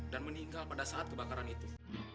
dan meninggal pada saat kebakaran itu